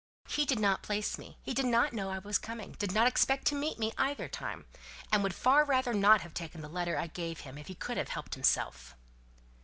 "He didn't place me. He didn't know I was coming, didn't expect to meet me either time; and would far rather not have taken the letter I gave him if he could have helped himself."